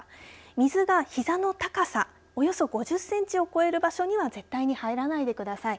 水が、ひざの高さおよそ５０センチを超える場所には絶対に入らないでください。